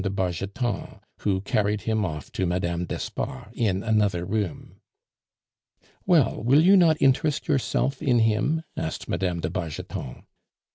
de Bargeton, who carried him off to Mme. d'Espard in another room. "Well, will you not interest yourself in him?" asked Mme. de Bargeton.